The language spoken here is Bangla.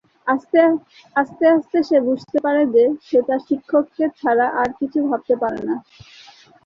আস্তে আস্তে সে বুঝতে পারে যে, সে তার শিক্ষককে ছাড়া আর কিছু ভাবতে পারে না।